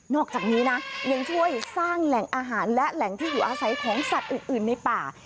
อกจากนี้นะยังช่วยสร้างแหล่งอาหารและแหล่งที่อยู่อาศัยของสัตว์อื่นในป่า